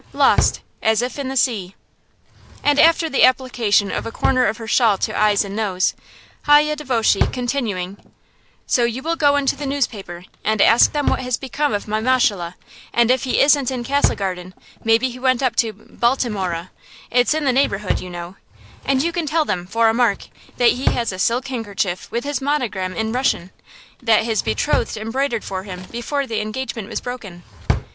Lost, as if in the sea!" And after the application of a corner of her shawl to eyes and nose, Hayye Dvoshe, continuing: "So you will go into the newspaper, and ask them what has become of my Möshele, and if he isn't in Castle Garden, maybe he went up to Balti moreh, it's in the neighborhood, you know, and you can tell them, for a mark, that he has a silk handkerchief with his monogram in Russian, that his betrothed embroidered for him before the engagement was broken.